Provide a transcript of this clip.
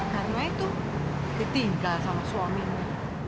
karena itu ditinggal sama suaminya